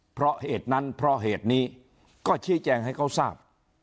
เพราะเหตุนั้นเพราะเหตุนี้ก็ชี้แจงให้เขาทราบ